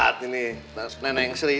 lihat ini tas nenek sri